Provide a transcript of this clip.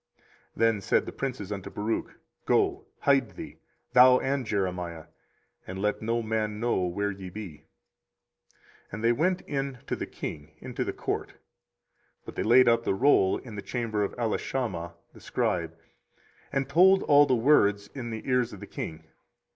24:036:019 Then said the princes unto Baruch, Go, hide thee, thou and Jeremiah; and let no man know where ye be. 24:036:020 And they went in to the king into the court, but they laid up the roll in the chamber of Elishama the scribe, and told all the words in the ears of the king.